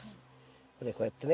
これこうやってね。